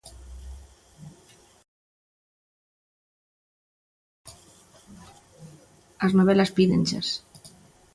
As novelas pídenchas.